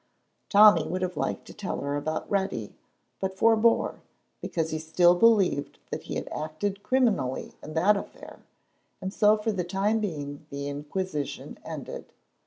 Tommy would have liked to tell her about Reddy, but forbore, because he still believed that he had acted criminally in that affair, and so for the time being the inquisition ended.